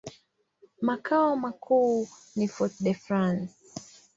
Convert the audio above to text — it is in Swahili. Makao makuu ni Fort-de-France.